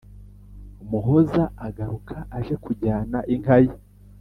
muhoza agaruka aje kujyana inka ye